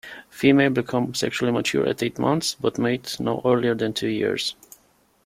Females become sexually mature at eight months, but mate no earlier than two years.